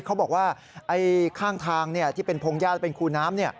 เขาบอกว่าข้างทางที่เป็นพงญาติเป็นคูน้ำ